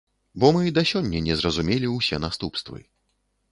Бо мы да сёння не зразумелі ўсе наступствы.